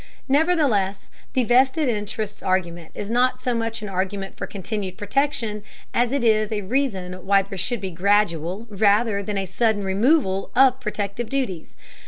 Nevertheless, the vested interests argument is not so much an argument for continued protection as it is a reason why there should be a gradual rather than a sudden removal of protective duties.